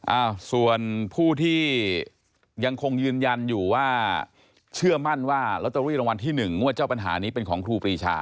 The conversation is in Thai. อ้าวส่วนผู้ที่ยังคงยืนยันอยู่ว่าเชื่อมั่นว่าลอตเตอรี่รางวัลที่หนึ่งงวดเจ้าปัญหานี้เป็นของครูปรีชา